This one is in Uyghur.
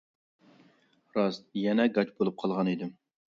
راست، يەنە گاچا بولۇپ قالغان ئىدىم.